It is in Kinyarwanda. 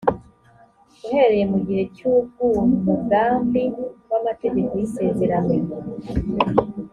uhereye mu gihe cy’ubw’umugambi w’amategeko y’isezerano